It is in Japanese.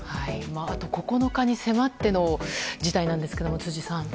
あと９日に迫っている事態なんですが、辻さん。